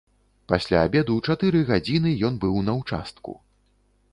Пасля абеду чатыры гадзіны ён быў на ўчастку.